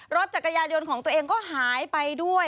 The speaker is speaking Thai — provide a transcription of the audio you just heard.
รถจักรยานยนต์ของตัวเองก็หายไปด้วย